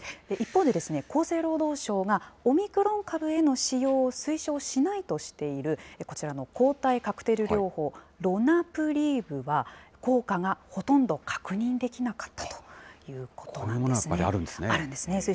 一方で、厚生労働省が、オミクロン株への使用を推奨しないとしている、こちらの抗体カクテル療法、ロナプリーブは、効果がほとんど確認できなかったといこういうものもやっぱりあるあるんですね。